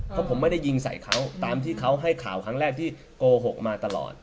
เพราะผมไม่ได้ยิงใส่เขาตามที่เขาให้ข่าวครั้งแรกที่โกหกมาตลอด